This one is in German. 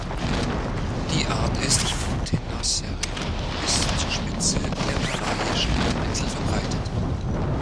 Die Art ist von Tenasserim bis zur Spitze der Malaiischen Halbinsel verbreitet.